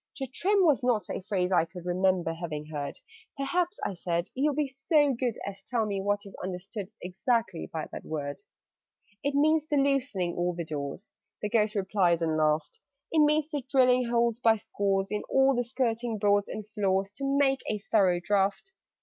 "To trim" was not a phrase I could Remember having heard: "Perhaps," I said, "you'll be so good As tell me what is understood Exactly by that word?" "It means the loosening all the doors," The Ghost replied, and laughed: "It means the drilling holes by scores In all the skirting boards and floors, To make a thorough draught.